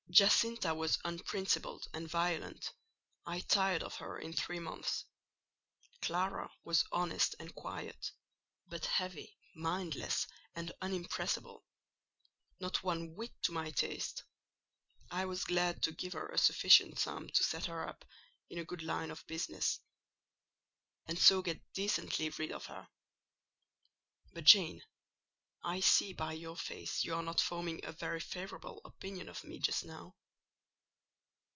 Giacinta was unprincipled and violent: I tired of her in three months. Clara was honest and quiet; but heavy, mindless, and unimpressible: not one whit to my taste. I was glad to give her a sufficient sum to set her up in a good line of business, and so get decently rid of her. But, Jane, I see by your face you are not forming a very favourable opinion of me just now.